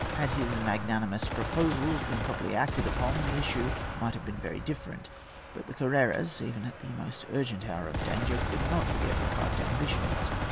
Had his magnanimous proposals been properly acted upon, the issue might have been very different. But the Carreras, even in the most urgent hour of danger, could not forget their private ambitions.